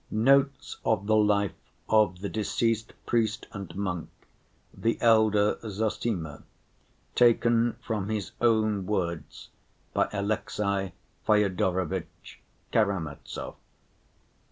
Notes of the Life of the deceased Priest and Monk, the Elder Zossima, taken from his own words by Alexey Fyodorovitch Karamazov.